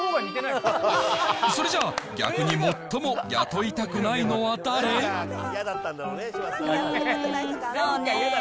それじゃあ、逆に最も雇いたくなうーん、そうね。